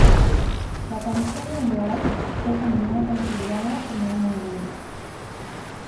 La aparición de un wraith es a menudo considerado como un augurio.